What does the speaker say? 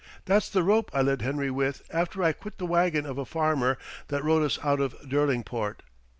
That's the rope I led Henry with after I quit the wagon of a farmer that rode us out of Derlingport.